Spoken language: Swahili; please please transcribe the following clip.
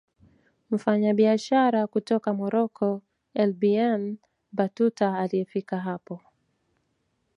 Mfanyabiashara kutoka Morocco Ibn Batuta aliyefika hapo